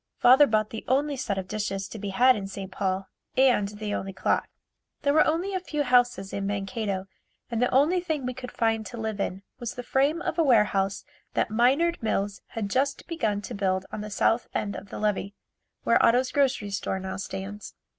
Father bought the only set of dishes to be had in St. Paul and the only clock. There were only a few houses in Mankato and the only thing we could find to live in was the frame of a warehouse that Minard Mills had just begun to build on the south end of the levee, where Otto's grocery store now stands.